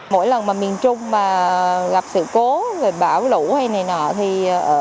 mỗi lần mà miền trung gặp sự cố bão lũ hay này nọ thì ở